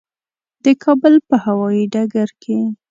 د کابل په هوایي ډګر کې.